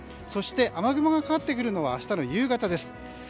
そして雨雲がかかってくるのは明日の夕方です。